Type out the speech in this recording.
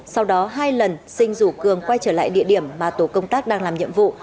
sau đó hai lần sinh rủ cường quay trở lại địa điểm mà tổ công tác đang làm nhiệm vụ